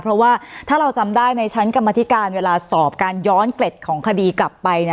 เพราะว่าถ้าเราจำได้ในชั้นกรรมธิการเวลาสอบการย้อนเกร็ดของคดีกลับไป